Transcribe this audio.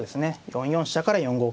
４四飛車から４五桂と。